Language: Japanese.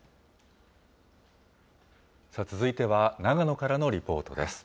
さあ、続いては長野からのリポートです。